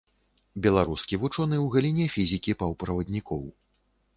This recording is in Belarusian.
Беларускі вучоны ў галіне фізікі паўправаднікоў.